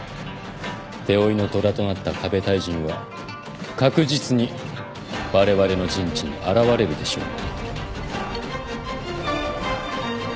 手負いの虎となったＫＡＢＥ太人は確実にわれわれの陣地に現れるでしょう。